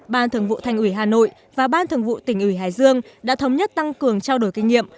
ban thường vụ thành ủy hà nội và ban thường vụ tỉnh ủy hải dương đã thống nhất tăng cường trao đổi kinh nghiệm